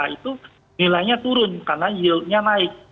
nah itu nilainya turun karena yield nya naik